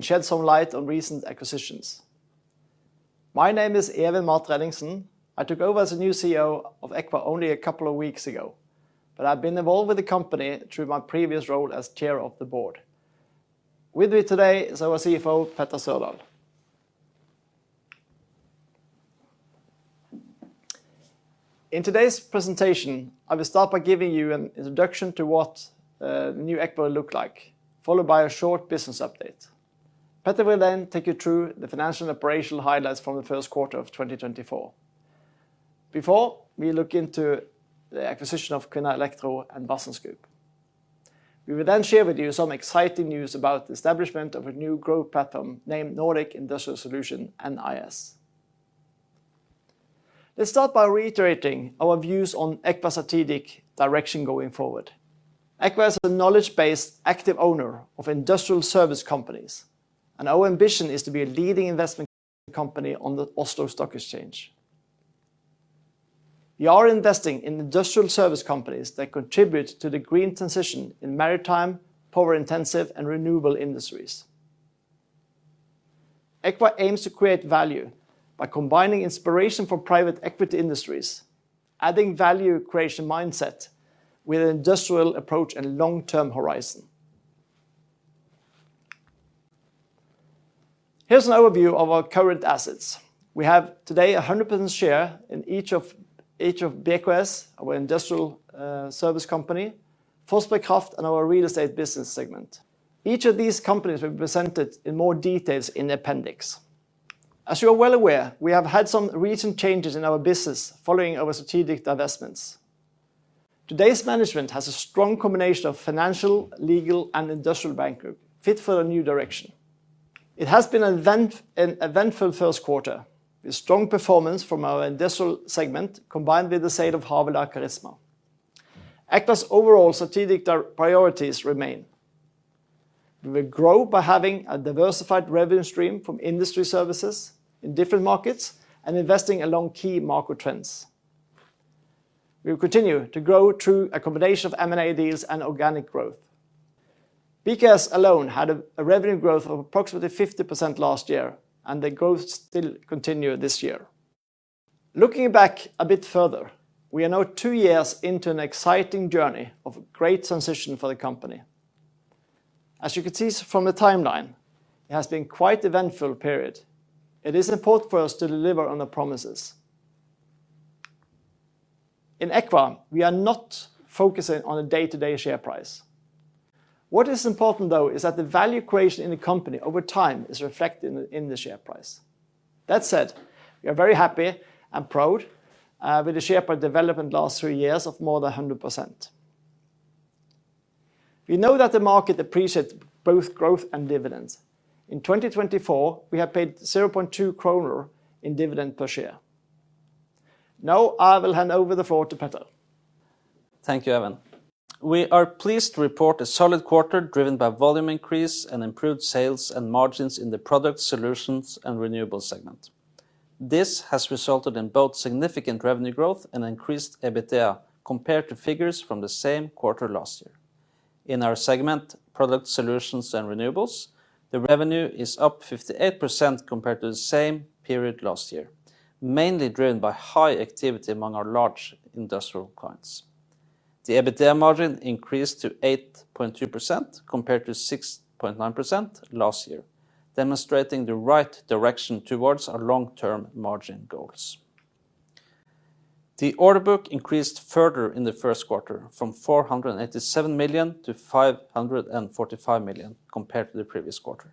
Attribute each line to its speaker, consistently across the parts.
Speaker 1: Shed some light on recent acquisitions. My name is Even Matre Ellingsen. I took over as the new CEO of Eqva only a couple of weeks ago, but I've been involved with the company through my previous role as chair of the board. With me today is our CFO, Petter Sørdahl. In today's presentation, I will start by giving you an introduction to what the new Eqva will look like, followed by a short business update. Petter will then take you through the financial and operational highlights from the first quarter of 2024. Before we look into the acquisition of Kvinnherad Elektro and Vassnes Solutions. We will then share with you some exciting news about the establishment of a new growth platform named Nordic Industrial Solutions (NIS). Let's start by reiterating our views on Eqva's strategic direction going forward. Eqva is a knowledge-based, active owner of industrial service companies, and our ambition is to be a leading investment company on the Oslo Stock Exchange. We are investing in industrial service companies that contribute to the green transition in maritime, power-intensive, and renewable industries. Eqva aims to create value by combining inspiration from private equity industries, adding value creation mindset with an industrial approach and long-term horizon. Here's an overview of our current assets. We have today a 100% share in each of BKS, our industrial service company, Fossberg Kraft, and our Real Estate business segment. Each of these companies will be presented in more details in the appendix. As you are well aware, we have had some recent changes in our business following our strategic divestments. Today's management has a strong combination of financial, legal, and industrial background fit for a new direction. It has been an eventful first quarter with strong performance from our industrial segment combined with the sale of Havila Charisma. Eqva's overall strategic priorities remain. We will grow by having a diversified revenue stream from industry services in different markets and investing along key market trends. We will continue to grow through a combination of M&A deals and organic growth. BKS alone had a revenue growth of approximately 50% last year, and the growth still continues this year. Looking back a bit further, we are now two years into an exciting journey of a great transition for the company. As you can see from the timeline, it has been quite an eventful period. It is important for us to deliver on our promises. In Eqva, we are not focusing on the day-to-day share price. What is important, though, is that the value creation in the company over time is reflected in the share price. That said, we are very happy and proud with the share price development last three years of more than 100%. We know that the market appreciates both growth and dividends. In 2024, we have paid 0.2 kroner in dividend per share. Now I will hand over the floor to Petter.
Speaker 2: Thank you, Even. We are pleased to report a solid quarter driven by volume increase and improved sales and margins in the products, solutions, and renewables segment. This has resulted in both significant revenue growth and increased EBITDA compared to figures from the same quarter last year. In our segment, products, solutions, and renewables, the revenue is up 58% compared to the same period last year, mainly driven by high activity among our large industrial clients. The EBITDA margin increased to 8.2% compared to 6.9% last year, demonstrating the right direction towards our long-term margin goals. The order book increased further in the first quarter from 487 million to 545 million compared to the previous quarter.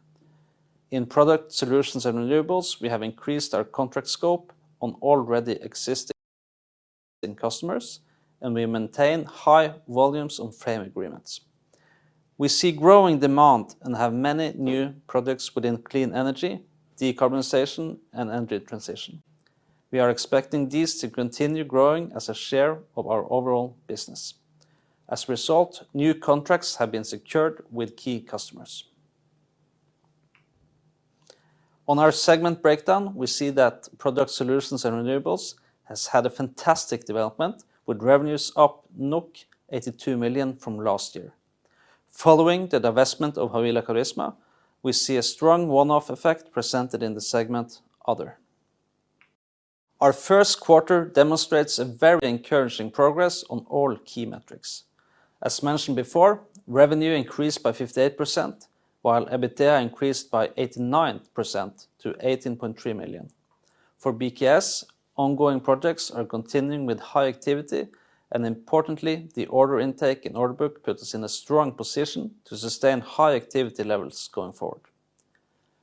Speaker 2: In products, solutions, and renewables, we have increased our contract scope on already existing customers, and we maintain high volumes on frame agreements. We see growing demand and have many new products within clean energy, decarbonization, and energy transition. We are expecting these to continue growing as a share of our overall business. As a result, new contracts have been secured with key customers. On our segment breakdown, we see that products, solutions, and renewables have had a fantastic development with revenues up 82 million from last year. Following the investment of Havila Charisma, we see a strong one-off effect presented in the segment Other. Our first quarter demonstrates a very encouraging progress on all key metrics. As mentioned before, revenue increased by 58%, while EBITDA increased by 89% to 18.3 million. For BKS, ongoing projects are continuing with high activity, and importantly, the order intake in order book puts us in a strong position to sustain high activity levels going forward.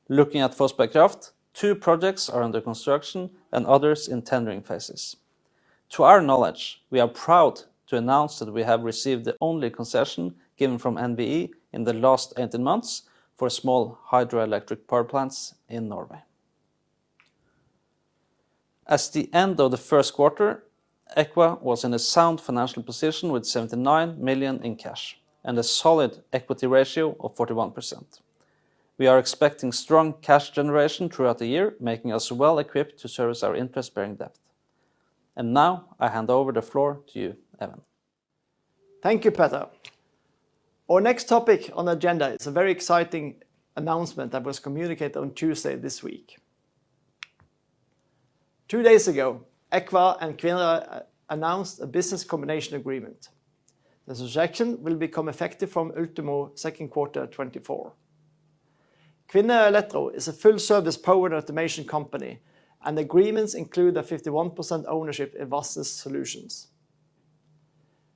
Speaker 2: Looking at Fossberg Kraft, two projects are under construction and others in tendering phases. To our knowledge, we are proud to announce that we have received the only concession given from NVE in the last 18 months for small hydroelectric power plants in Norway. At the end of the first quarter, Eqva was in a sound financial position with 79 million in cash and a solid equity ratio of 41%. We are expecting strong cash generation throughout the year, making us well equipped to service our interest-bearing debt. And now I hand over the floor to you, Even.
Speaker 1: Thank you, Petter. Our next topic on the agenda is a very exciting announcement that was communicated on Tuesday this week. Two days ago, Eqva and Kvinnherad announced a business combination agreement. The transaction will become effective from ultimo second quarter 2024. Kvinnherad Elektro is a full-service power and automation company, and the agreement includes a 51% ownership in Vassnes Solutions.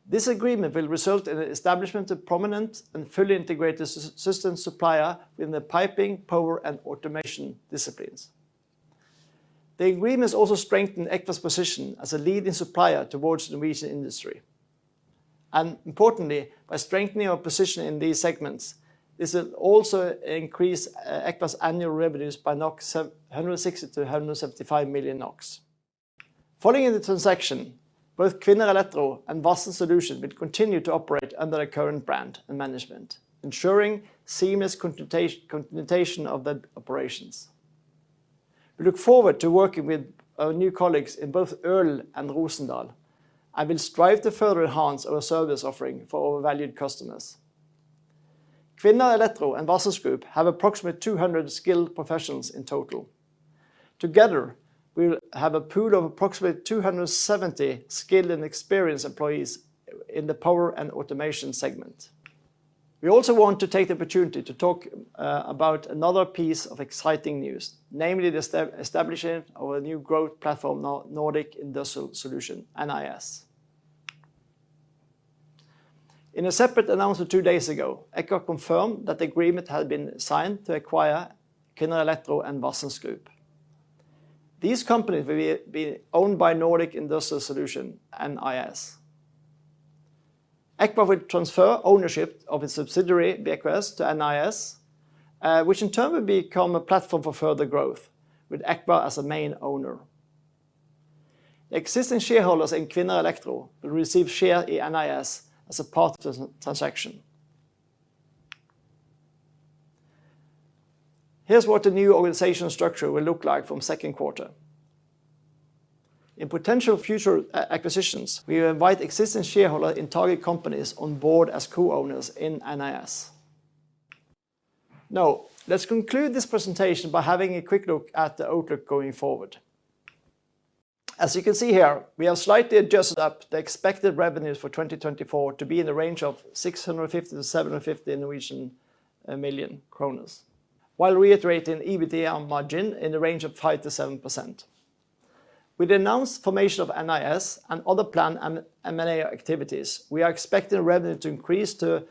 Speaker 1: This agreement will result in the establishment of a prominent and fully integrated system supplier within the piping, power, and automation disciplines. The agreements also strengthen Eqva's position as a leading supplier towards the Norwegian industry. And importantly, by strengthening our position in these segments, this will also increase Eqva's annual revenues by 160 million-175 million NOK. Following the transaction, both Kvinnherad Elektro and Vassnes Solutions will continue to operate under the current brand and management, ensuring seamless continuation of the operations. We look forward to working with our new colleagues in both Ølen and Rosendal and will strive to further enhance our service offering for offshore customers. Kvinnherad Elektro and Vassnes Group have approximately 200 skilled professionals in total. Together, we will have a pool of approximately 270 skilled and experienced employees in the power and automation segment. We also want to take the opportunity to talk about another piece of exciting news, namely the establishment of a new growth platform, Nordic Industrial Solutions (NIS). In a separate announcement two days ago, Eqva confirmed that the agreement had been signed to acquire Kvinnherad Elektro and Vassnes Group. These companies will be owned by Nordic Industrial Solutions (NIS). Eqva will transfer ownership of its subsidiary, BKS, to NIS, which in turn will become a platform for further growth with Eqva as a main owner. Existing shareholders in Kvinnherad Elektro will receive share in NIS as a part of the transaction. Here's what the new organizational structure will look like from second quarter. In potential future acquisitions, we will invite existing shareholders in target companies on board as co-owners in NIS. Now, let's conclude this presentation by having a quick look at the outlook going forward. As you can see here, we have slightly adjusted up the expected revenues for 2024 to be in the range of 650 million-750 million kroner, while reiterating EBITDA on margin in the range of 5%-7%. With the announced formation of NIS and other planned M&A activities, we are expecting revenue to increase to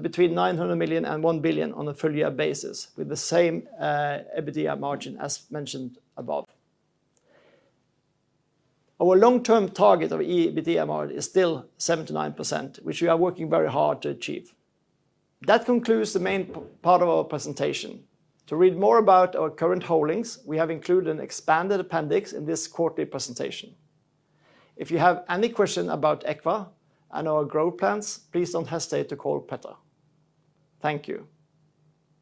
Speaker 1: between 900 million and 1 billion on a full-year basis with the same EBITDA margin as mentioned above. Our long-term target of EBITDA margin is still 7%-9%, which we are working very hard to achieve. That concludes the main part of our presentation. To read more about our current holdings, we have included an expanded appendix in this quarterly presentation. If you have any questions about Eqva and our growth plans, please don't hesitate to call Petter. Thank you.